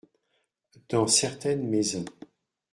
Dans certaines maisons.